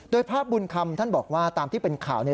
โดยภาพบุญคำท่านบอกว่าตามที่เป็นข่าวเนี่ย